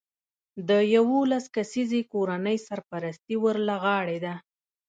د یولس کسیزې کورنۍ سرپرستي ور له غاړې ده